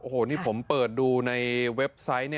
โอ้โหนี่ผมเปิดดูในเว็บไซต์